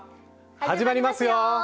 始まりますよ！